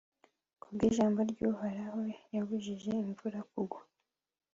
ku bw'ijambo ry'uhoraho yabujije imvura kugwa